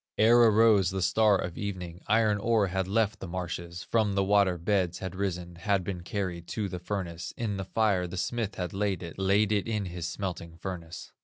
"Ere arose the star of evening, Iron ore had left the marshes, From the water beds had risen, Had been carried to the furnace, In the fire the smith had laid it, Laid it in his smelting furnace.